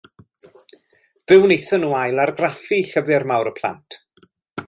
Fe wnaethon nhw ailargraffu Llyfr Mawr y Plant.